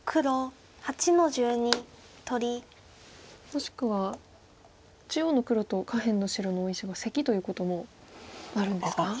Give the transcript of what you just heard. もしくは中央の黒と下辺の白の大石がセキということもあるんですか？